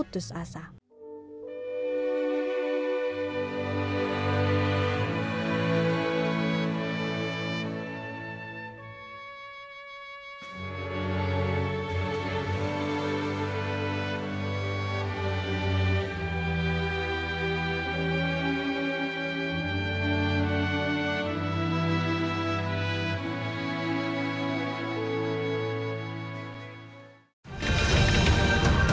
dan tak kenal